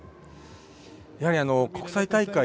やはりあの国際大会